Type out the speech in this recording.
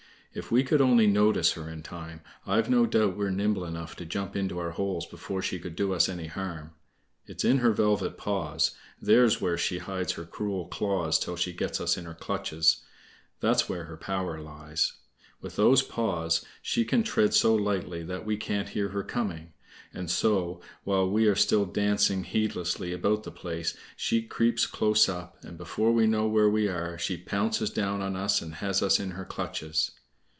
If we could only notice her in time, I've no doubt we're nimble enough to jump into our holes before she could do us any harm. It's in her velvet paws, there's where she hides her cruel claws till she gets us in her clutches—that's where her power lies. With those paws she can tread so lightly that we can't hear her coming. And so, while we are still dancing heedlessly about the place, she creeps close up, and before we know where we are she pounces down on us and has us in her clutches.